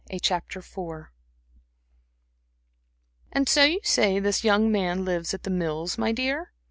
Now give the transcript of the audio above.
Chapter V "And so you say this young man lives at The Mills, my dear?"